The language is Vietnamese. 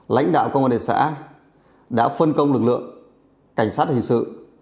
lãnh đạo công an thị xã đã phân công lực lượng cảnh sát hình sự